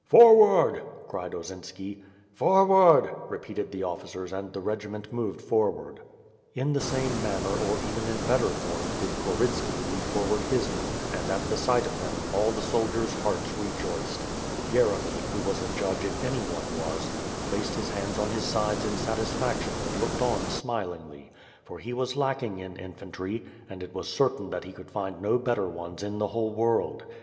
"Forward," cried Osinski. "Forward," repeated the officers and the regi ment moved forward. In the same manner or even in better form, did Korytski lead fonvard his men and, at sight of them, all the soldiers' hearts rejoiced. Yeremy, who was a judge if anyone was, placed his hands on his sides in his satisfaction and looked on smilingly; for he was lacking in infantry, and it was cer tain that he could find no better ones in the whole world.